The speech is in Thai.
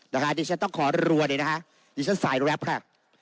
นะคะดิฉันต้องขอรับรัวดินะคะดิฉันสายรับค่ะ